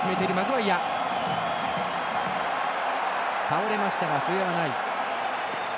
倒れましたが笛はない。